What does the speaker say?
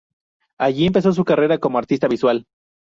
Allí empezó su carrera como artista visual.